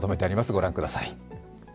ご覧ください。